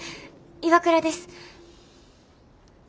岩倉です。